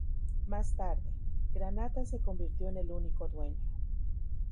Más tarde, Granata se convirtió en el único dueño.